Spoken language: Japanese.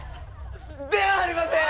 ではありません！